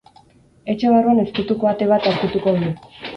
Etxe barruan ezkutuko ate bat aurkituko du.